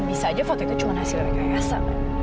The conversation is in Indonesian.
bisa aja foto itu cuma hasil rekayasa